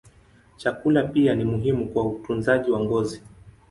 Chakula pia ni muhimu kwa utunzaji wa ngozi.